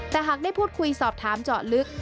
แต่หากได้พูดคุยสอบถามเจาะลึก